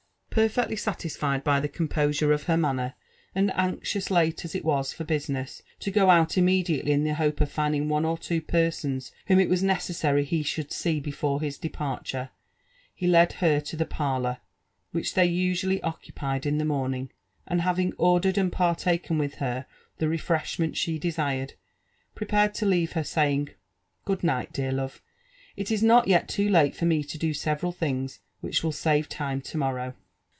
Perfectly satisfied by the composure of her manner, and anxious, late as it was for business, to go ou^ immediately in the hope of find ing one or two persons whom it was necessary he should see before his departure, he led her to the parlour which they usually occupied in the morning, and having ordered and partaken with her the refresh ment she desired, prepared to leave her, sayings ''Good night, dear love ! it is not yet too late for me to do several things which will save time to morrow."